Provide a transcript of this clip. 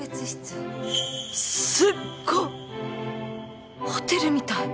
すっごホテルみたい